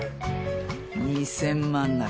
２０００万なら」。